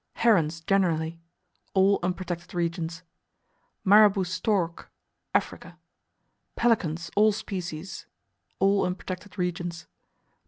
Herons, generally All unprotected regions. Marabou Stork Africa. Pelicans, all species All unprotected regions.